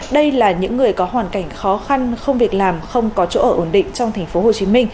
đây là những người có hoàn cảnh khó khăn không việc làm không có chỗ ở ổn định trong tp hcm